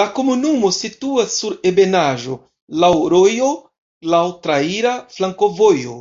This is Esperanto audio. La komunumo situas sur ebenaĵo, laŭ rojo, laŭ traira flankovojo.